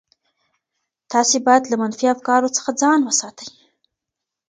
تاسي باید له منفي افکارو څخه ځان وساتئ.